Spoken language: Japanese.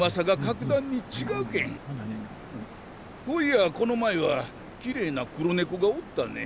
ほういやこの前はきれいな黒猫がおったね。